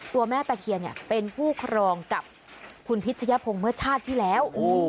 แม่ตะเคียนเป็นผู้ครองกับคุณพิชยพงศ์เมื่อชาติที่แล้ว